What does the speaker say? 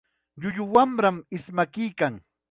Llullu wamram ismakuykan.